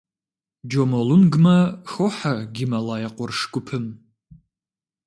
Джомолунгмэ хохьэ Гималай къурш гупым.